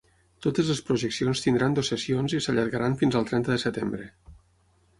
Totes les projeccions tindran dues sessions i s’allargaran fins al trenta de setembre.